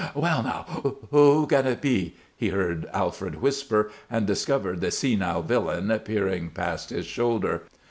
"Well, now! Who can it be?" he heard Alfred whisper, and discovered the senile villain peering past his shoulder.